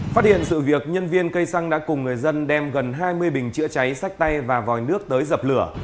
phát hiện sự việc nhân viên cây xăng đã cùng người dân đem gần hai mươi bình chữa cháy sách tay và vòi nước tới dập lửa